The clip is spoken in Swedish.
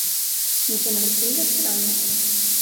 Ni känner väl till restaurangen?